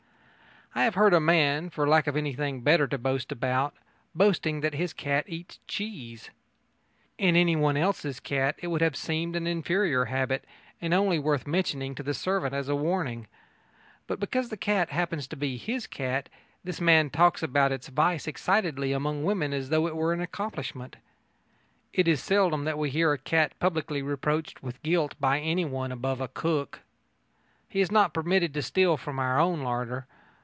I have heard a man, for lack of anything better to boast about, boasting that his cat eats cheese. In anyone else's cat it would have seemed an inferior habit and only worth mentioning to the servant as a warning. But because the cat happens to be his cat, this man talks about its vice excitedly among women as though it were an accomplishment. It is seldom that we hear a cat publicly reproached with guilt by anyone above a cook. He is not permitted to steal from our own larder.